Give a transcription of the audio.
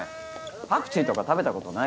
パクチーとか食べたことないでしょ。